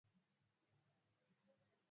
Amekula chakula chote.